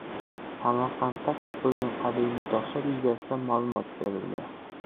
Samarqandda topilgan qadimiy toshlar yuzasidan ma’lumot berildi